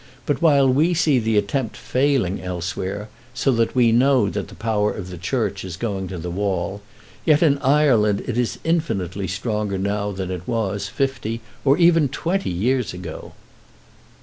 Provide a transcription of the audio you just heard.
But while we see the attempt failing elsewhere, so that we know that the power of the Church is going to the wall, yet in Ireland it is infinitely stronger now than it was fifty, or even twenty years ago."